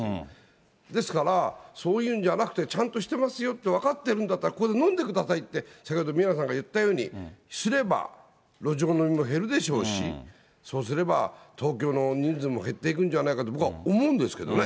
ですから、そういうんじゃなくて、ちゃんとしてますよって分かってるんだったら、ここで飲んでくださいって、先ほど宮根さんが言ったようにすれば、路上飲みも減るでしょうし、そうすれば東京の人数も減っていくんじゃないかと僕は思うんですけどね。